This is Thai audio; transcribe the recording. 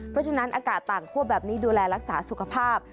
เพราะฉะนั้นอากาศต่างคั่วแบบนี้ดูแลรักษาสุขภาพ